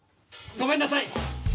ごめんなさい！